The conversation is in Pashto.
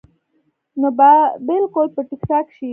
نو بالکل به ټيک ټاک شي -